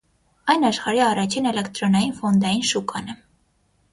Այն աշխարհի առաջին էլետրոնային ֆոնդային շուկան է։